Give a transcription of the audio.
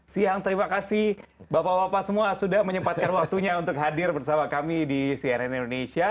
siang terima kasih bapak bapak semua sudah menyempatkan waktunya untuk hadir bersama kami di cnn indonesia